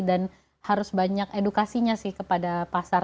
dan harus banyak edukasinya sih kepada pasar